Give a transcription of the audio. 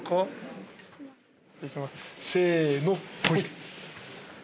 せの！